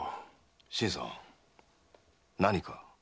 新さん何か？